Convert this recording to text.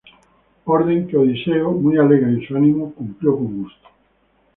Orden que Odiseo, "muy alegre en su ánimo" cumplió con gusto.